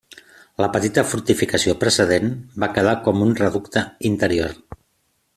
La petita fortificació precedent va quedar com un reducte interior.